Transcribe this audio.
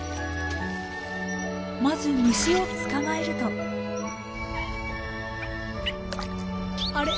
まず虫を捕まえるとあれ？